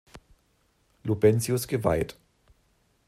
Lubentius geweiht.